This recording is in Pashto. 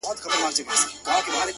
زما چيلمه چي زما پر کور راسي لنگر ووهي-